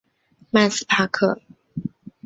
曼斯帕克。